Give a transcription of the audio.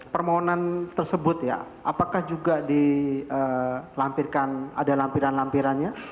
permohonan tersebut ya apakah juga dilampirkan ada lampiran lampirannya